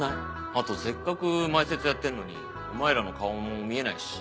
あとせっかく前説やってんのにお前らの顔も見えないし。